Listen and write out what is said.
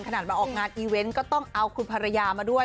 ขนาดมาออกงานอีเวนต์ก็ต้องเอาคุณภรรยามาด้วย